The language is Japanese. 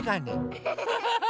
アハハハ！